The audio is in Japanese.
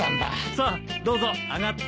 さあどうぞ上がって。